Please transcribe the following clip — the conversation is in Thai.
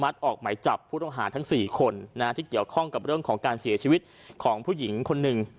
ที่เกี่ยวข้องกับเรื่องของการเสียชีวิตของผู้หญิงคนหนึ่ง